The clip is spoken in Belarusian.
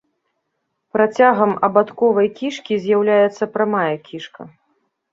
Працягам абадковай кішкі з'яўляецца прамая кішка.